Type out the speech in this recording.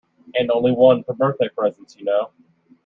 And only one for birthday presents, you know.